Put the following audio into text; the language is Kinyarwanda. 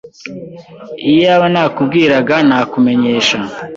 Iyaba nakubwiraga nakumenyesha.